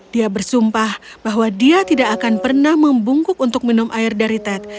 dia bersumpah bahwa dia tidak akan pernah membungkuk untuk minum air dari ted